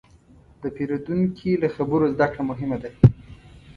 د پیرودونکي له خبرو زدهکړه مهمه ده.